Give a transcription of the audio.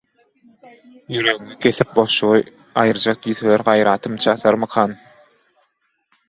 Ýüregiňi kesip boşlugy aýyrjak diýseler gaýratym çatarmykan?